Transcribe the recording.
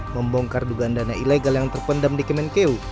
membongkar dugaan dana ilegal yang terpendam di kemenkeu